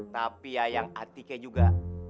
tapi ya yang atiknya juga